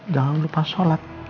jangan lupa sholat